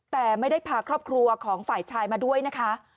แต่ไม่ได้พาครอบครัวของฝ่ายชายมาด้วยนะคะ